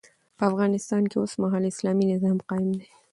په افغانستان کي اوسمهال اسلامي نظام قايم دی